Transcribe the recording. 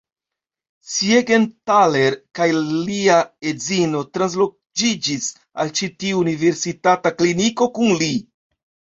Siegenthaler kaj lia edzino transloĝiĝis al ĉi tiu universitata kliniko kun li.